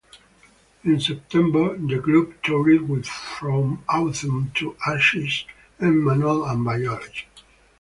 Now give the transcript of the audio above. In September, the group toured with From Autumn to Ashes, Emanuel, and Biology.